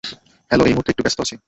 Hello এই মুহুর্তে একটু ব্যস্ত আছি।